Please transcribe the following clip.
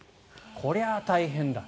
こりゃ大変だ。